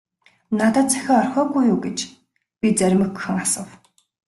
- Надад захиа орхиогүй юу гэж би зоримогхон асуув.